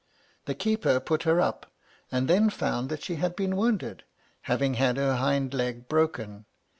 The keeper put her up, and then found that she had been wounded, having had her hind leg broken.